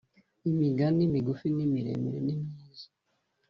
Imigani migufi n’imiremire nimyiza